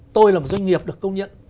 tôi là một doanh nghiệp được công nhận